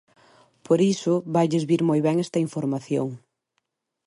Por iso vailles vir moi ben esta información.